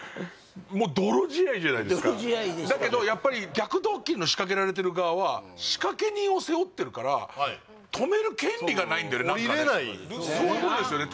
もう泥仕合じゃないですかだけどやっぱり逆ドッキリの仕掛けられてる側は仕掛け人を背負ってるから止める権利がないんだよねおりれないんですね